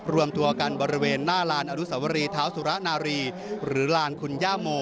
รวมตัวกันบริเวณหน้าลานอนุสวรีเท้าสุระนารีหรือลานคุณย่าโม